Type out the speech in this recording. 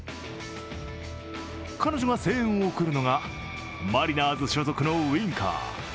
彼女が声援を送るのがマリナーズ所属のウィンカー。